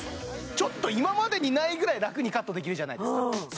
ちょっと今までにないぐらい楽にカットできるじゃないですかうん